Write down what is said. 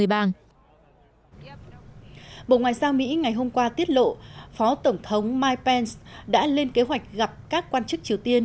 bộ ngoại giao mỹ ngày hôm qua tiết lộ phó tổng thống mike pence đã lên kế hoạch gặp các quan chức triều tiên